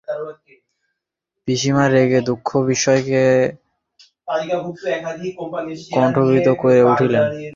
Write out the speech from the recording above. পিসিমা রাগে দুঃখে বিস্ময়ে কণ্টকিত হইয়া উঠিলেন।